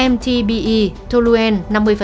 mtbe toluen năm mươi